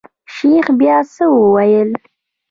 شيخ بيا څه وويل.